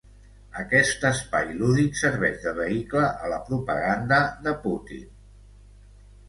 Aquest espai lúdic serveix de vehicle a la propaganda de Putin